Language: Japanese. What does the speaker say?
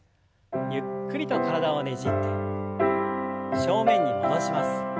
ゆっくりと体をねじって正面に戻します。